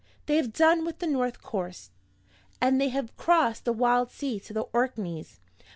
They have done with the north coast and they have crossed the wild sea to the Orkneys.